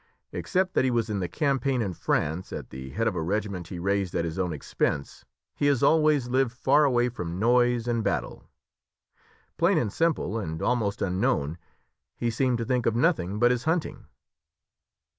Except that he was in the campaign in France at the head of a regiment he raised at his own expense, he has always lived far away from noise and battle; plain and simple, and almost unknown, he seemed to think of nothing but his hunting."